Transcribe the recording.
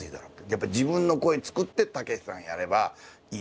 やっぱり自分の声作ってたけしさんをやればいいんだよって。